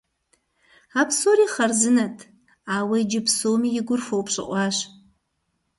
А псори хъарзынэт, ауэ иджы псоми и гур хуэупщӏыӏуащ.